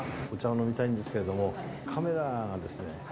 お茶を飲みたいんですけれどもカメラがですね